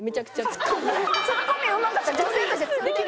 ツッコミうまかったら女性として詰んでる？